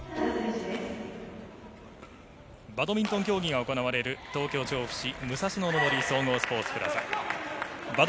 バドミントン競技が行われる東京・調布市武蔵野の森総合スポーツプラザ。